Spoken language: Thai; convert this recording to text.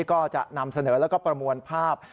ก็จะนำเสนอแล้วก็ประมวลภาพ